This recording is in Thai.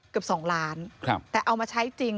เกือบ๒ล้านแต่เอามาใช้จริง